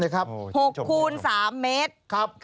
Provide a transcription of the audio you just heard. ๖คูณ๓เมตร